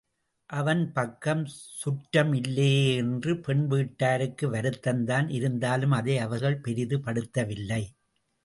அவன்பக்கம் சுற்றம் இல்லையே என்று பெண் வீட்டாருக்கு வருத்தம் தான் இருந்தாலும் அதை அவர்கள் பெரிது படுத்தவில்லை.